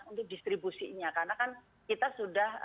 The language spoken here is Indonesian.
untuk distribusinya karena kan kita sudah